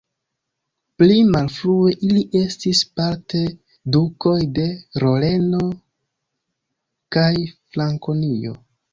Pli malfrue ili estis parte dukoj de Loreno kaj Frankonio.